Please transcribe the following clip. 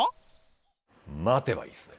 待てばいいですね。